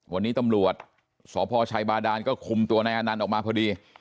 วันนี้ตำรวจสพชัยบาดานก็คุมตัวนายอนันต์ออกมาพอดี